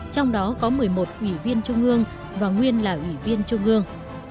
trong đó có một mươi một ủy viên trung ương và nguyên là ủy viên trung ương